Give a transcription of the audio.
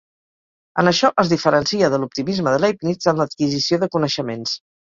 En això es diferencia de l'optimisme de Leibniz en l'adquisició de coneixements.